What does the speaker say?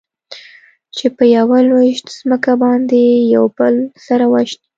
چې په يوه لوېشت ځمکه باندې يو بل سره وژني.